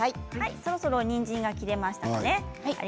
そろそろにんじんが切れましたね。